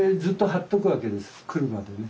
来るまでね。